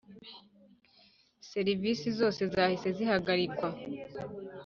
serivisi zose zahise zihagarikwa